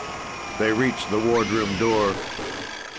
They reached the wardroom door.